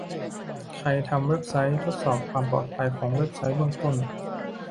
ใครทำเว็บไซต์ ทดสอบความปลอดภัยของเว็บไซต์เบื้องต้น